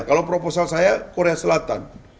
kalau proposal saya korea selatan